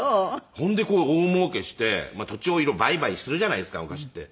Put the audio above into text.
ほんで大もうけして土地を売買するじゃないですか昔って。